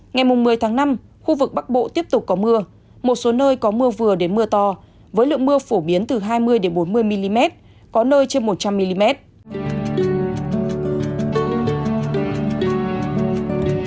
ngày một mươi tháng năm khu vực bắc bộ tiếp tục có mưa một số nơi có mưa vừa đến mưa to với lượng mưa phổ biến từ hai mươi bốn mươi mm có nơi trên một trăm linh mm